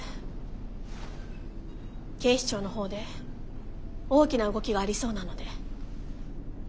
警視庁のほうで大きな動きがありそうなので。